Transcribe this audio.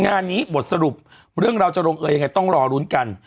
งานนี้บทสรุปเรื่องเราจะลงเออยังไงต้องรอลุ้นกัน